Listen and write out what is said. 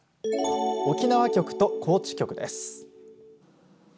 沖縄局と高知局です。